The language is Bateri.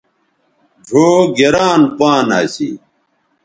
ڙھؤ گران پان اسی